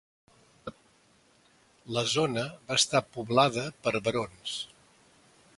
La zona va estar poblada per berons.